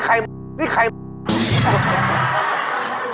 ไข่เยี่ยวมา